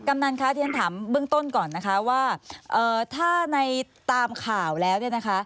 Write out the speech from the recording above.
กำนันค่ะที่ฉันถามเบื้องต้นก่อนว่าถ้าในตามข่าวแล้ว